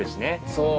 そう。